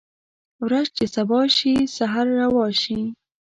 ورځ چې سبا شي سحر روا شي